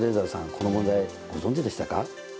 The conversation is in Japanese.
この問題ご存じでしたか？